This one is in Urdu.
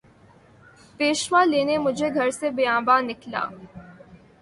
پیشوا لینے مجھے گھر سے بیاباں نکلا